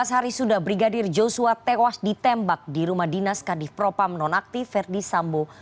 empat belas hari sudah brigadir joshua tewas ditembak di rumah dinas kadif propam nonaktif verdi sambo